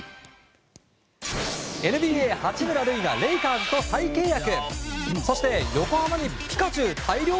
ＮＢＡ、八村塁がレイカーズと再契約。